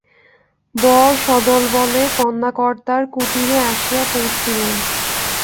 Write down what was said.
বর সদলবলে কন্যাকর্তার কুটিরে আসিয়া পৌঁছিলেন।